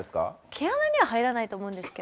毛穴には入らないと思うんですけど。